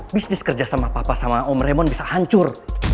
bisnis kerja sama papa sama om remon bisa hancur